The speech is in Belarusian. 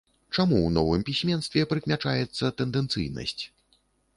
Чаму ў новым пісьменстве прыкмячаецца тэндэнцыйнасць?